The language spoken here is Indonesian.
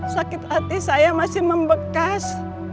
sakit hati saya masih membekas